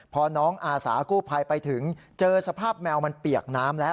พอน้องอาสากู้ภัยไปถึงเจอสภาพแมวมันเปียกน้ำแล้ว